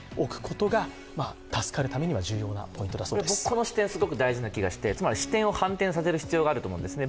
この視点、すごく大事な気がして、つまり視点を反転させる必要があると思うんですね。